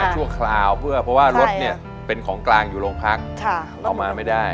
ชั่วคราวเพื่อเพราะว่ารถเนี่ยเป็นของกลางอยู่โรงพักเอามาไม่ได้